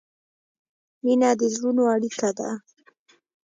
مینه د زړونو اړیکه ده.